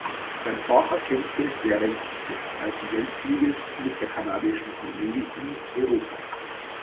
Sein Vater kämpfte während des Zweiten Weltkrieges mit der kanadischen Armee in Europa.